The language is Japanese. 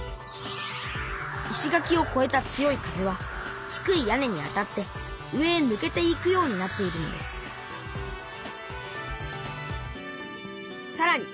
石垣をこえた強い風は低い屋根に当たって上へぬけていくようになっているのですさらに